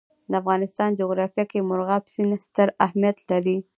د افغانستان جغرافیه کې مورغاب سیند ستر اهمیت لري.